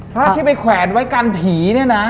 พระที่ไปแขวนไว้กันผีเนี่ยนะ